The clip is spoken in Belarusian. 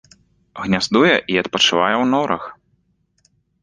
Гняздуе і адпачывае ў норах.